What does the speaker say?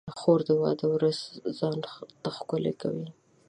خور د واده ورځ ځان ته ښکلې کوي.